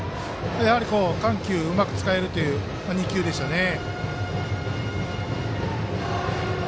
やはり緩急をうまく使えるという２球でしたね。